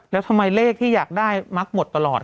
แล้วทำไมเลขที่อยากได้มักหมดตลอด